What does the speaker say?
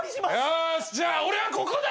よーしじゃあ俺はここだ！